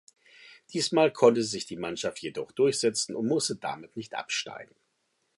Diesmal konnte sich die Mannschaft jedoch durchsetzen und musste damit nicht absteigen.